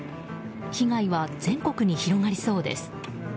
被害は全国に広がりそうです。